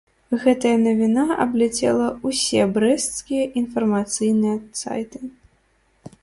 Гэтая навіна абляцела ўсе брэсцкія інфармацыйныя сайты.